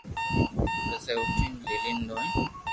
پسو اوٺين جيلين دوھين